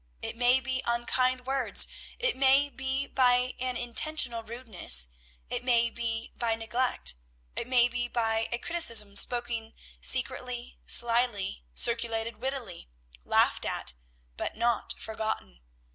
It may be by unkind words; it may be by an intentional rudeness; it may be by neglect; it may be by a criticism spoken secretly, slyly, circulated wittily, laughed at, but not forgotten.